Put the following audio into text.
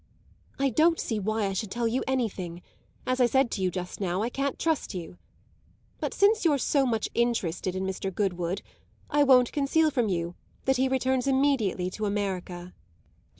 "I don't see why I should tell you anything; as I said to you just now, I can't trust you. But since you're so much interested in Mr. Goodwood I won't conceal from you that he returns immediately to America."